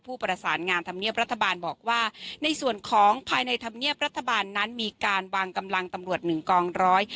ผู้ประสานงานธรรมเนียบรัฐบาลบอกว่าในส่วนของภายในธรรมเนียบรัฐบาลนั้นมีการวางกำลังตำรวจหนึ่งกองร้อย